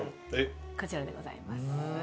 こちらでございます。